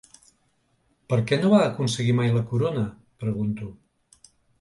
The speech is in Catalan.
Per què no va aconseguir mai la corona?, pregunto.